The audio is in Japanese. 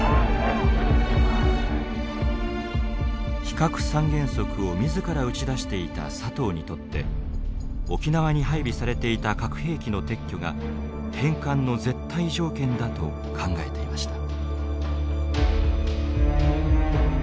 非核三原則を自ら打ち出していた佐藤にとって沖縄に配備されていた核兵器の撤去が返還の絶対条件だと考えていました。